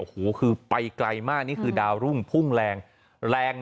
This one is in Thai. โอ้โหคือไปไกลมากนี่คือดาวรุ่งพุ่งแรงแรง